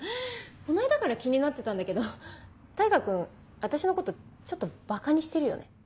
この間から気になってたんだけど大牙君私のことちょっとばかにしてるよね？